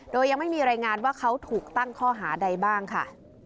โดยยังไม่มีรายงานว่าเขาถูกตั้งข้อหาใดบ้างค่ะ